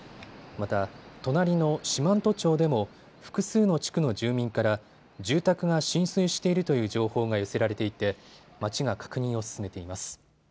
また、隣の四万十町でも複数の地区の住民から住宅が浸水しているという情報が寄せられていて町が確認を進めています。